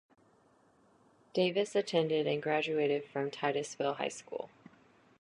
Davis attended and graduated from Titusville High School.